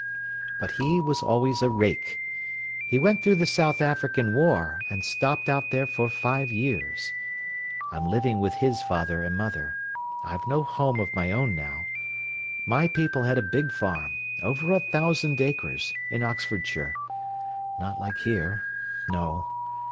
But he always was a rake. He went through the South African War, and stopped out there for five years. I'm living with his father and mother. I've no home of my own now. My people had a big farm over a thousand acres in Oxfordshire. Not like here no.